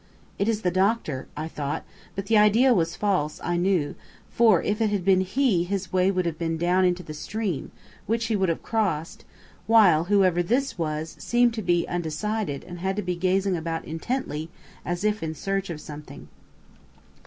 "It is the doctor," I thought; but the idea was false, I knew, for if it had been he his way would have been down into the stream, which he would have crossed, while, whoever this was seemed to be undecided and to be gazing about intently as if in search of something.